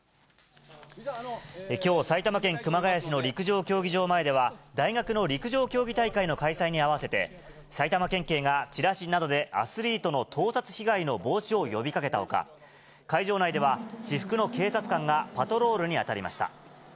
きょう、埼玉県熊谷市の陸上競技場前では、大学の陸上競技大会の開催に合わせて、埼玉県警が、チラシなどでアスリートの盗撮被害の防止を呼びかけたほか、会場内では、私服の警察官がパトロールに当たりました。